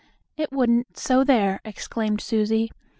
"It wouldn't, so there!" exclaimed Susie.